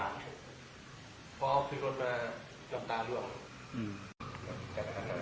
นเข้าจากเรียงอีก